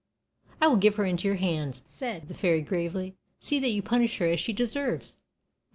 "I will give her into your hands," said the fairy, gravely. "See that you punish her as she deserves."